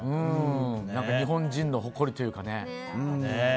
日本人の誇りというかね。